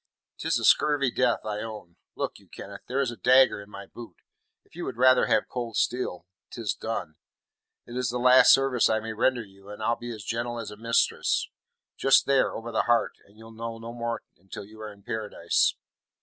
"Tis a scurvy death, I own. Look you, Kenneth, there is a dagger in my boot. If you would rather have cold steel, 'tis done. It is the last service I may render you, and I'll be as gentle as a mistress. Just there, over the heart, and you'll know no more until you are in Paradise."